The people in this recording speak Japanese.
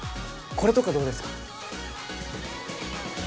これとかどうですか？